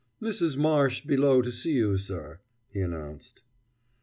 "Mrs. Marsh below to see you, sir," he announced.